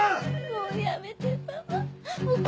もうやめてパパ。